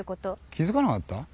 気づかなかった？